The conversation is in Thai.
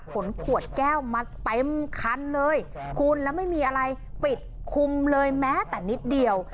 ขนขวดแก้วมาเต็มคันเลยคุณแล้วไม่มีอะไรปิดคุมเลยแม้แต่นิดเดียว